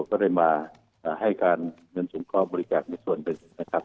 ก็ได้มาให้การเงินส่งครอบบริการในส่วนเด็กนะครับ